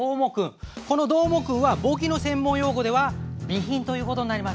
このどーもくんは簿記の専門用語では備品という事になります。